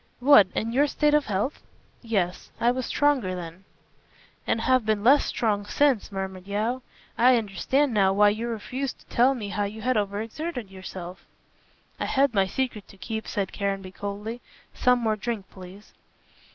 "What, in your state of health?" "Yes. I was stronger then." "And have been less strong since," murmured Yeo. "I understand now why you refused to tell me how you had over exerted yourself." "I had my secret to keep," said Caranby coldly, "some more drink, please."